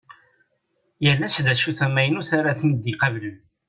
Yal ass d acu-t amaynut ara ten-id-iqablen.